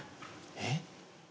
えっ？